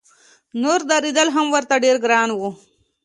نور درېدل هم ورته ډېر ګران و.